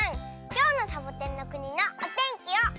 きょうのサボテンのくにのおてんきをおねがいします。